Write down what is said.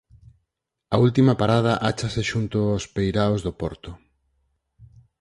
A última parada áchase xunto aos peiraos do porto.